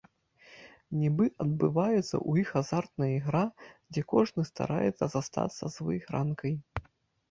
Нібы адбываецца ў іх азартная ігра, дзе кожны стараецца застацца з выйгранкай.